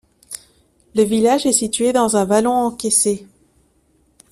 Le village est situé dans un vallon encaissé.